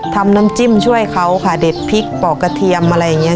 ทำน้ำจิ้มช่วยเขาค่ะเด็ดพริกปอกกระเทียมอะไรอย่างนี้